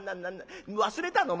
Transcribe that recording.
忘れたの？